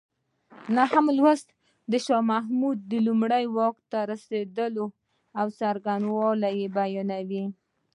نهم لوست د شاه محمود لومړی ځل واک ته رسېدو څرنګوالی بیانوي.